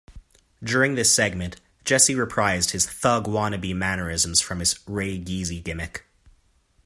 During this segment, Jesse reprised his thug-wannabe mannerisms from his Ray Geezy gimmick.